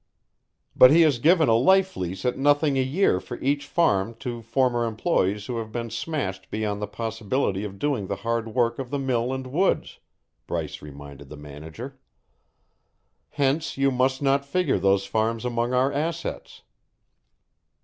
"But he has given a life lease at nothing a year for each farm to former employees who have been smashed beyond the possibility of doing the hard work of the mill and woods," Bryce reminded the manager. "Hence you must not figure those farms among our assets."